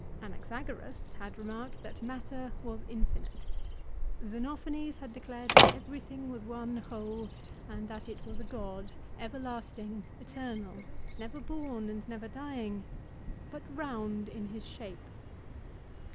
Anaxagoras had remarked that matter was infinite. Xenophanes had declared that everything was one whole, and that it was a god, everlasting, eternal, never born, and never dying, but round in his shape